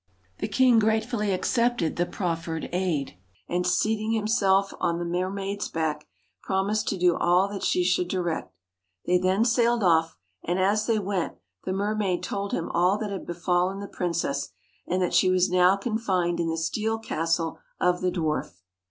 The king gratefully accepted the proffered aid; and seating himself on the mermaid's back, pro mised to do all that she should direct. They then sailed off; and as they went, the mermaid told him all that had befallen the princess, and that she was now confined in the steel castle of the dwarf.